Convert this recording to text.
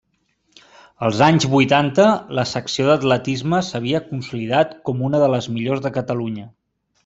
Als anys vuitanta la secció d’atletisme s’havia consolidat com una de les millors de Catalunya.